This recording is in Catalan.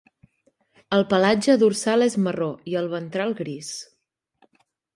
El pelatge dorsal és marró i el ventral gris.